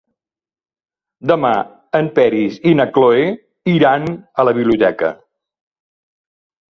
Demà en Peris i na Cloè iran a la biblioteca.